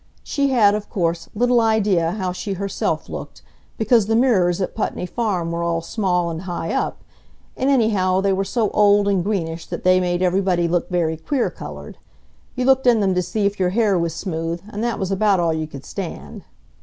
She had, of course, little idea how she herself looked, because the mirrors at Putney Farm were all small and high up, and anyhow they were so old and greenish that they made everybody look very queer colored. You looked in them to see if your hair was smooth, and that was about all you could stand.